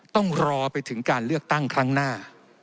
ต้องรอไปถึงการเลือกตั้งครั้งหน้า